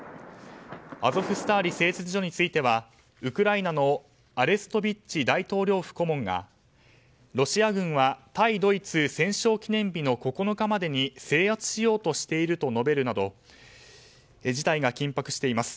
アゾフスターリ製鉄所についてはウクライナのアレストビッチ大統領府顧問がロシア軍は対ドイツ戦勝記念日の９日までに制圧しようとしていると述べるなど事態が緊迫しています。